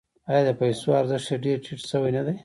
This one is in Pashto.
آیا د پیسو ارزښت یې ډیر ټیټ شوی نه دی؟